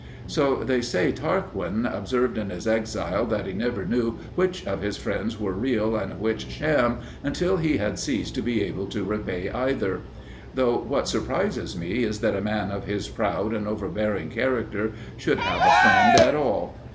So they say Tarquin observed in his exile that he never knew which of his friends were real and which sham, until he had ceased to be able to repay either. Though what surprises me is that a man of his proud and overbearing character should have a friend at all.